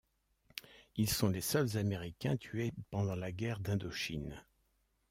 Ils sont les seuls Américains tués pendant la guerre d'Indochine.